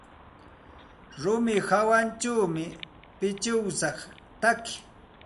Rumi hawanćhawmi pichiwsa taki.